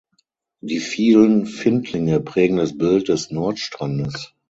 Die vielen Findlinge prägen das Bild des Nordstrandes.